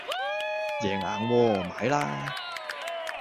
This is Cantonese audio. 贏硬喎！買啦